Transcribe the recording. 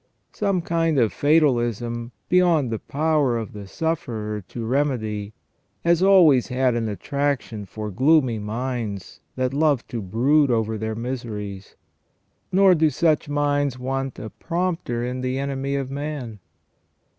Some kind of fatalism, beyond the power of the sufferer to remedy, has always had an attraction for gloomy minds that love to brood over their miseries. Nor do such minds want a prompter in the enemy of man.